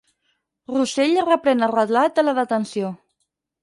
Russell reprèn el relat de la detenció.